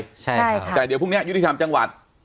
ใช่ค่ะแต่เดี๋ยวพรุ่งนี้ยุติธรรมจังหวัด